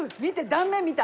断面見た？